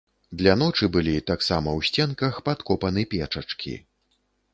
Для ночы былі, таксама ў сценках, падкопаны печачкі.